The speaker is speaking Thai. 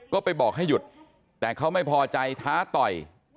ก็ไปบอกให้หยุดแต่เขาไม่พอใจท้าต่อย